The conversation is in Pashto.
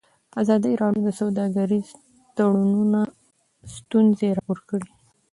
ازادي راډیو د سوداګریز تړونونه ستونزې راپور کړي.